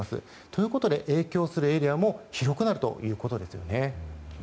ということで影響するエリアも広くなるということですね。